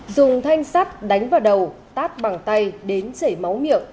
dùng thanh sắt đánh vào đầu tát bằng tay đến chảy máu miệng